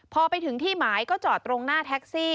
พอไปถึงที่หมายก็จอดตรงหน้าแท็กซี่